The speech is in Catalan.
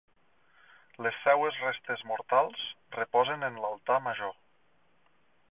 Les seues restes mortals reposen en l'altar major.